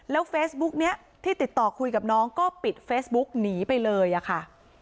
เฟซบุ๊กนี้ที่ติดต่อคุยกับน้องก็ปิดเฟซบุ๊กหนีไปเลยอะค่ะ